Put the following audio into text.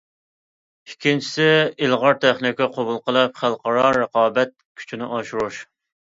ئىككىنچىسى، ئىلغار تېخنىكا قوبۇل قىلىپ، خەلقئارا رىقابەت كۈچىنى ئاشۇرۇش.